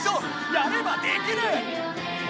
やればできる！